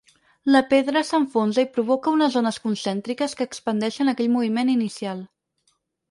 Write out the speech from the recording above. La pedra s’enfonsa i provoca unes ones concèntriques que expandeixen aquell moviment inicial.